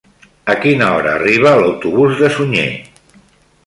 A quina hora arriba l'autobús de Sunyer?